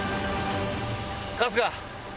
春日！